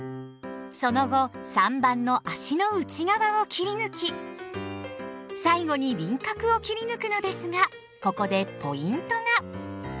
その後３番の足の内側を切り抜き最後に輪郭を切り抜くのですがここでポイントが。